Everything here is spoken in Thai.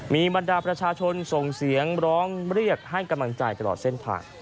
มีบรรดาประชาชนส่งเสียงร้องเรียกให้กำลังใจตลอดเส้นทาง